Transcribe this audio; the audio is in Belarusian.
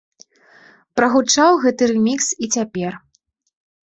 Прагучаў гэты рэмікс і цяпер.